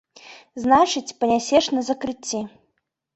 Значыць, панясеш на закрыцці!